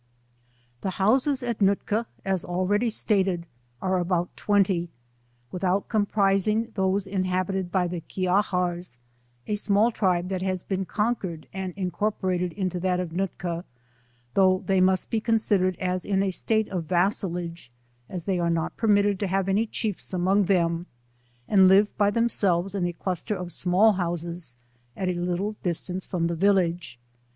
I 90 The houses at Nootka as already stated, are about twenty, without comprising those inhabited by the Klahars, a small tribe that has been con , quered and incoporat^d into that of Nootka, though || they must be considered as in a state of vassalage as (hey are not permitted to have any chiefs among themj and live by themselves in a cluster of small houses at a little distance from the village.